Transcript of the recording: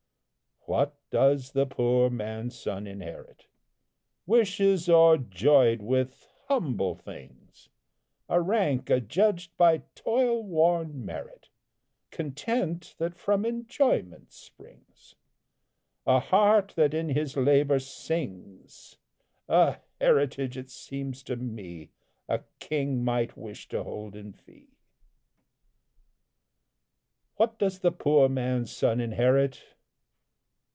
What does the poor man's son inherit? Wishes o'erjoyed with humble things, A rank adjudged by toil worn merit, Content that from enjoyment springs, A heart that in his labour sings; A heritage, it seems to me, A king might wish to hold in fee. What does the poor man's son inherit?